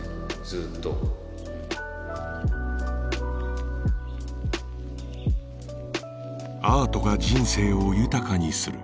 ずっとアートが人生を豊かにする